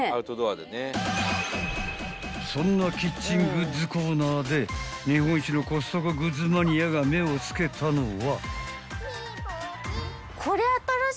［そんなキッチングッズコーナーで日本一のコストコグッズマニアが目を付けたのは］